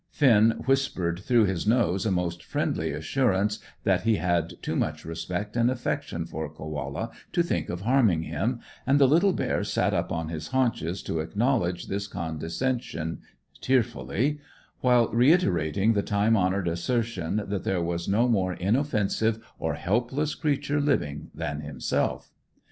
Finn whispered through his nose a most friendly assurance that he had too much respect and affection for Koala to think of harming him, and the little bear sat up on his haunches to acknowledge this condescension, tearfully, while reiterating the time honoured assertion that there was no more inoffensive or helpless creature living than himself.